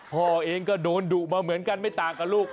พ่อเองก็โดนดุมาเหมือนกันไม่ต่างกับลูก